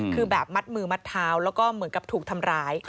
คือแบบมัดมือมัดเท้าแล้วก็เหมือนกับถูกทำร้าย